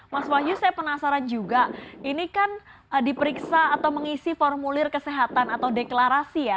mas wahyu saya penasaran juga ini kan diperiksa atau mengisi formulir kesehatan atau deklarasi ya